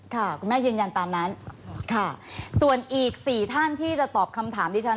คุณแม่ยืนยันตามนั้นค่ะส่วนอีก๔ท่านที่จะตอบคำถามดิฉัน